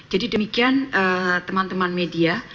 jadi demikian teman teman media